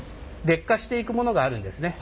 劣化していくものがあるんですね。